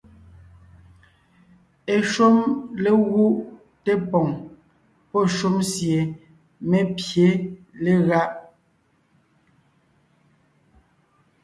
Eshúm légúʼ té poŋ pɔ́ shúm sie mé pye legáʼ.